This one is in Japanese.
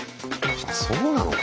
そうなのか。